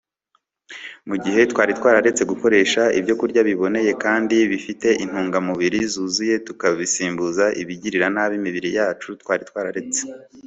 mu gihe twaretse gukoresha ibyokurya biboneye kandi bifite intungamubiri zuzuye tukabisimbuza ibigirira nabi imibiri yacu twari twararetse